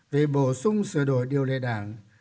về bổ sung sửa đổi điều lệ đảng